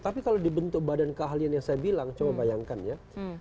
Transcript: tapi kalau dibentuk badan keahlian yang saya bilang coba bayangkan ya